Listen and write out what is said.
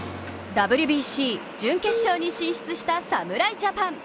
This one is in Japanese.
ＷＢＣ準決勝に進出した侍ジャパン。